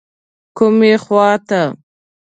کومې خواته.